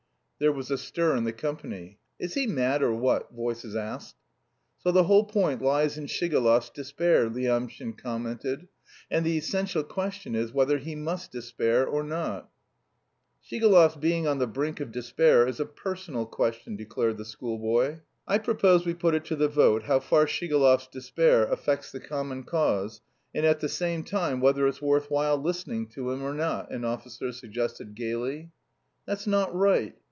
There was a stir in the company. "Is he mad, or what?" voices asked. "So the whole point lies in Shigalov's despair," Lyamshin commented, "and the essential question is whether he must despair or not?" "Shigalov's being on the brink of despair is a personal question," declared the schoolboy. "I propose we put it to the vote how far Shigalov's despair affects the common cause, and at the same time whether it's worth while listening to him or not," an officer suggested gaily. "That's not right."